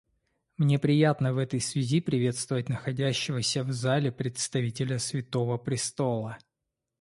Мне приятно в этой связи приветствовать находящегося в зале представителя Святого Престола.